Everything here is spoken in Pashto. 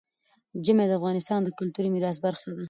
ژمی د افغانستان د کلتوري میراث برخه ده.